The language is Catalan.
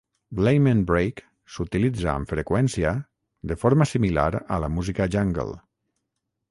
L"amen break s"utilitza amb freqüència de forma similar a la música jungle.